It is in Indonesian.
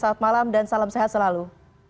selamat malam dan salam sehat selalu